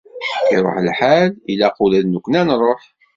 Iṛuḥ lḥal, ilaq ula d nekkni ad nṛuḥ.